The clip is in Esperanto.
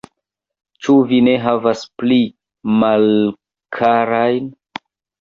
Ĉu vi ne havas pli malkarajn?